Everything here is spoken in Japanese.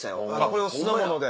これを酢の物で。